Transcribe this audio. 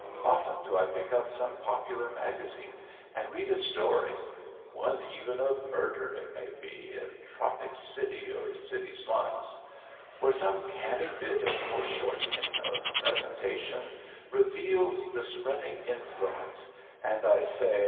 Often do I pick up some popular magazine and read a story (one even of murder, it may be, in tropic seas or city slums) where some canny bit of fore shortening, of presentation, reveals the spreading influence, and I say.